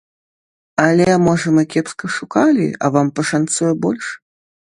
Але, можа, мы кепска шукалі, а вам пашанцуе больш?